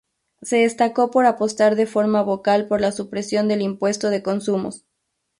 Se destacó por apostar de forma vocal por la supresión del impuesto de consumos.